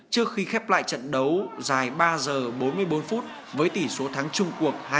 trước khi khép lại trận đấu dài ba giờ bốn mươi bốn phút với tỷ số thắng trung cuộc hai